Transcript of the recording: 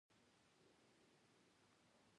ما پخپله د تیراه ډله نه ده لیدلې.